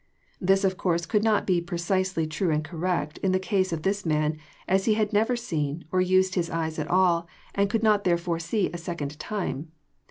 This of course could not be precisely true and correct in the case of this man, as he had never seen, or used his eyes at all, and could not therefore see a second time.